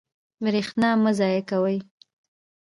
برښنا مه ضایع کوئ